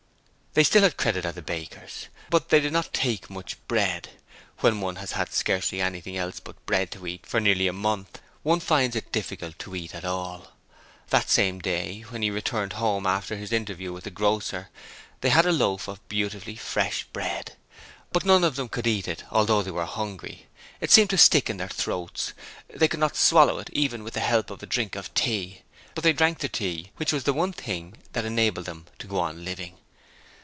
They still had credit at the baker's, but they did not take much bread: when one has had scarcely anything else but bread to eat for nearly a month one finds it difficult to eat at all. That same day, when he returned home after his interview with the grocer, they had a loaf of beautiful fresh bread, but none of them could eat it, although they were hungry: it seemed to stick in their throats, and they could not swallow it even with the help of a drink of tea. But they drank the tea, which was the one thing that enabled them to go on living.